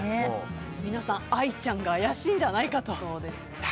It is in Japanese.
皆さん、愛衣ちゃんが怪しいんじゃないかと。